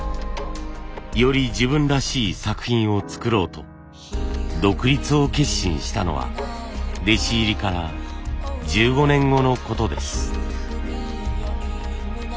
より自分らしい作品を作ろうと独立を決心したのは弟子入りから１５年後のことです。